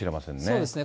そうですね。